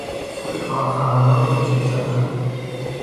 پول کارفرما را به جیب زدن